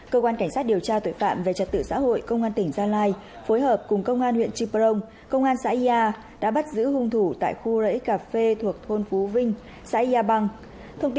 cơ quan cảnh sát điều tra tội phạm về trật tự xã hội công an tỉnh gia lai phối hợp cùng công an huyện triprong công an xã ya đã bắt giữ hung thủ tại khu rẫy cà phê thuộc thôn phú vinh xã yà băng